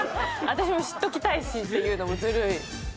私も知っておきたいしっていうのもずるい。